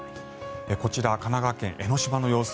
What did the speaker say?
こちら、神奈川県・江の島の様子